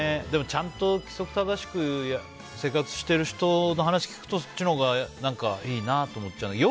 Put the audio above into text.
でもちゃんと規則正しく生活している人の話を聞くとそっちのほうがいいなと思っちゃう。